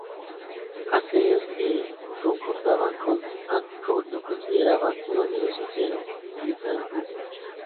Aquellos que concordaban con Ático lo consideraban un amigo sincero y un gran apoyo.